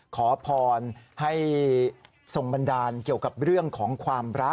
ขอผอนให้ทรงบรรดาชื่อเกี่ยวกับเรื่องของความรัก